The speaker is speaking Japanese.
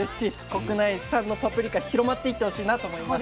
国内産のパプリカ広まっていってほしいなと思います。